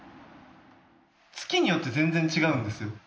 月によって全然違うんですよ。